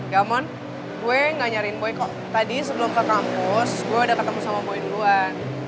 gamon gue gak nyariin boy kok tadi sebelum ke kampus gue udah ketemu sama boy duluan